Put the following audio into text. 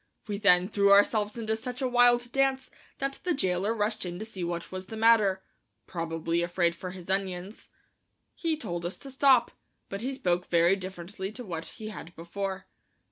We then threw ourselves into such a wild dance that the jailer rushed in to see what was the matter, probably afraid for his onions. He told us to stop, but he spoke very differently to what he had before.